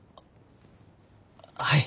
はい。